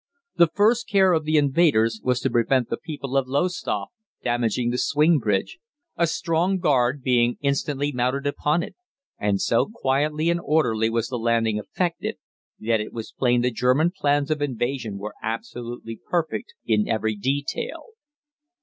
The first care of the invaders was to prevent the people of Lowestoft damaging the Swing Bridge, a strong guard being instantly mounted upon it, and so quietly and orderly was the landing effected that it was plain the German plans of invasion were absolutely perfect in every detail.